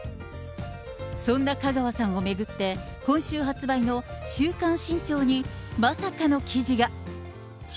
そんな香川さんを巡って、今週発売の週刊新潮に、まさかの記事が。